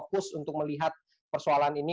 fokus untuk melihat persoalan ini